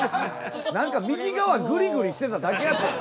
何か右側グリグリしてただけやったやん。